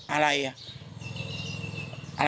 อะไรอ่ะ